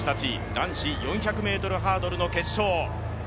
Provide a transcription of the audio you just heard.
男子４００ｍハードルの決勝。